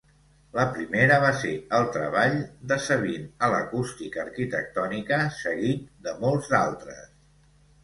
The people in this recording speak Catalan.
La primera va ser el treball de Sabine a l'acústica arquitectònica, seguit de molts altres.